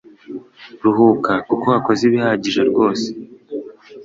Ruhuka kuko wakoze ibihagije rwose